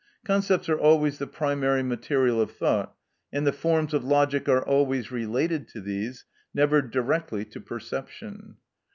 Concepts are always the primary material of thought, and the forms of logic are always related to these, never directly to perception.